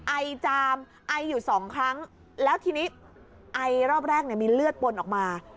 ไอจามไออยู่สองครั้งแล้วทีนี้ไอรอบแรกเนี่ยมีเลือดปนออกมา